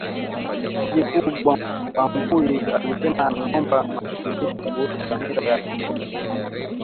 mji mkuu Bangui alisema ameomba marekebisho kuhusu dhamira ya kikosi chetu